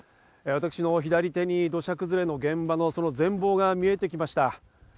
私の左手に土砂崩れの現場のその全貌が見えてきました。